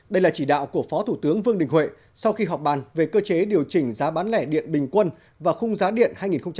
đây là chỉ đạo của phó thủ tướng vương đình huệ sau khi họp bàn về cơ chế điều chỉnh giá bán lẻ điện bình quân và khung giá điện hai nghìn một mươi sáu hai nghìn hai mươi